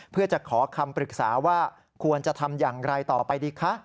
เพื่อจะขอคำปรึกษาว่าควรจะทำอย่างไรต่อไปดีคะ